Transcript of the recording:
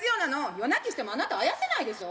夜泣きしてもあなたあやせないでしょ。